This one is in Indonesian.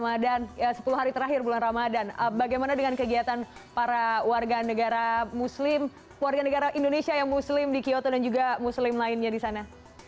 mbak rin ini sudah sepuluh hari terakhir bulan ramadan bagaimana dengan kegiatan para warga negara indonesia yang muslim di kyoto dan juga muslim lainnya di sana